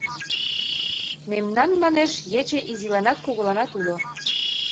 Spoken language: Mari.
Мемнан, манеш, ече изиланат, кугуланат уло...